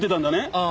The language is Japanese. ああ。